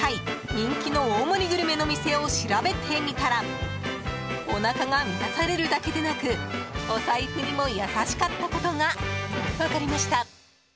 人気の大盛りグルメの店を調べてみたらおなかが満たされるだけでなくお財布にも優しかったことが分かりました。